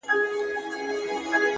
پام کوه غزل در نه بې خدايه نه سي _